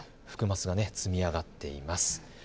福升が積み上がっています。